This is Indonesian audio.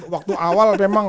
waktu awal memang